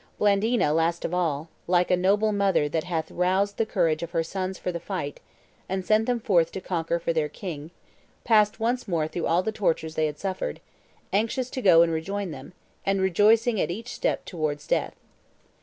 Blandina, last of all, like a noble mother that hath roused the courage of her sons for the fight, and sent them forth to conquer for their king, passed once more through all the tortures they had suffered, anxious to go and rejoin them, and rejoicing at each step towards death.